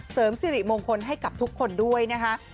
เสริมสิริมงคลให้กับทุกคนด้วยนะคะ